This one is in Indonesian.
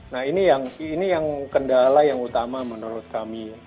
nah ini yang kendala yang utama menurut kami